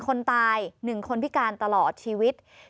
คนตาย๑คนพิการตลอดชีวิต